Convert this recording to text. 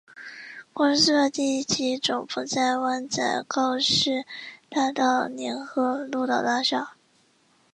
公司注册地及总部在湾仔告士打道联合鹿岛大厦。